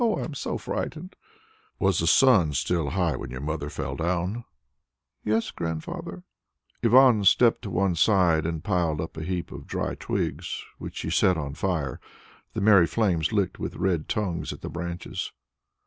Oh, I am so frightened!" "Was the sun still high when your mother fell down?" "Yes, Grandfather." Ivan stepped to one side, and piled up a heap of dry twigs which he set on fire. The merry flames licked with red tongues at the branches.